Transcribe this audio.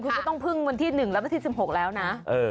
คุณก็ต้องพึ่งวันที่๑และวันที่๑๖แล้วนะ